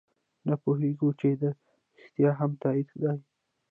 نه پوهېږو چې دا رښتیا هم تایید دی.